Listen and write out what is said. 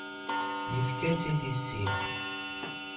Yefka-tt i tissit.